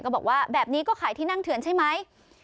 บอกว่าแบบนี้ก็ขายที่นั่งเถื่อนใช่ไหม